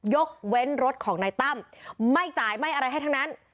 ยกเว้นรถของนายตั้มไม่จ่ายไม่อะไรให้ทั้งนั้น